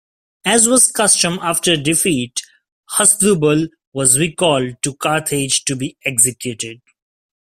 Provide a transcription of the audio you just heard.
As was custom after a defeat, Hasdrubal was recalled to Carthage to be executed.